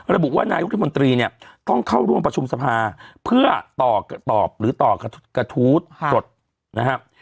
ระบุว่านายุทธมนตรีเนี่ยต้องเข้าร่วมประชุมสภาเพื่อต่อตอบหรือต่อกระทู้สดนะครับ